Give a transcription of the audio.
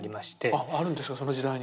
あるんですかその時代に。